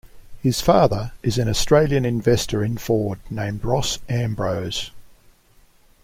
His father is an Australian investor in Ford named Ross Ambrose.